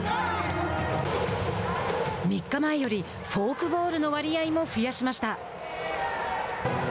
３日前よりフォークボールの割合も増やしました。